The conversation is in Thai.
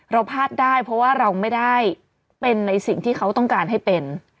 เราพลาดได้เพราะว่าเราไม่ได้เป็นในสิ่งที่เขาต้องการให้เป็น